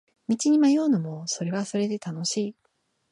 道に迷うのもそれはそれで楽しい